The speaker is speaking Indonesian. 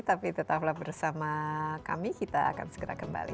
tapi tetaplah bersama kami kita akan segera kembali